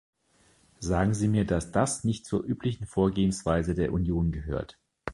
Sagen Sie mir, dass das nicht zur üblichen Vorgehensweise der Union gehört.